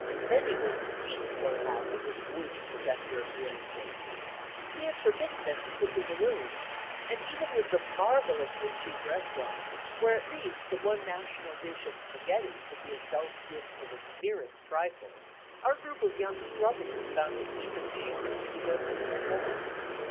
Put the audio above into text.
Many were the scenes they had with this worthy possessor of real estate. He had forbidden them to cook in the room, and even with the marvellously cheap restaurants, where at least the one national dish of spaghetti could be indulged in for the merest trifle, our group of young strugglers found it even cheaper to do their cooking at home.